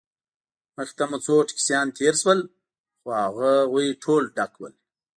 مخې ته مو څو ټکسیان تېر شول، خو هغوی ټول ډک ول.